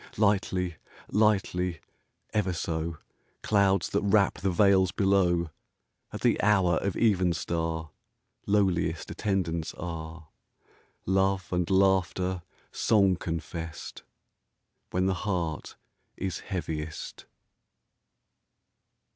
Lightly, lightly — ever so : Clouds that wrap the vales below At the hour of evenstar Lowliest attendants are ; Love and laughter song confessed When the heart is heaviest.